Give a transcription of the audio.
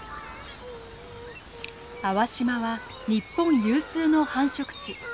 粟島は日本有数の繁殖地。